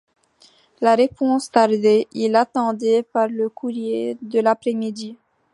La réponse tardait, il l’attendait par le courrier de l’après-midi.